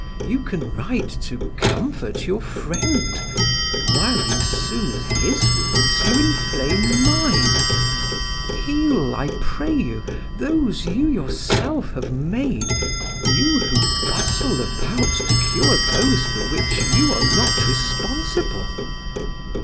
You can write to comfort your friend: while you soothe his wounds, you inflame mine. Heal, I pray you, those you yourself have made, you who bustle about to cure those for which you are not responsible.